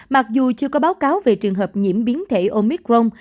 mặc dù chưa có báo cáo về trường hợp nhiễm biến thể omicron